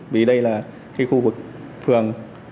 vì đây là khu vực phường